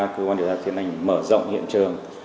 cơ quan điều tra tiến hành mở rộng hiện trường